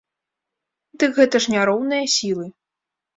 Дык гэта ж не роўныя сілы!